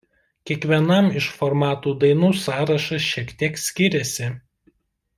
Kiekvienam iš formatų dainų sąrašas šiek tiek skiriasi.